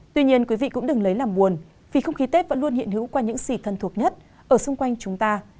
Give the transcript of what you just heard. tuy nhiên quý vị cũng đừng lấy làm buồn vì không khí tết vẫn luôn hiện hữu qua những gì thân thuộc nhất ở xung quanh chúng ta